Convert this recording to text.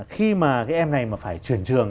khi mà em này phải chuyển trường